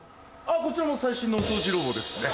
こちらも最新のお掃除ロボですね。